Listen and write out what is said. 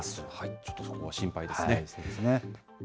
ちょっとそこは心配ですね。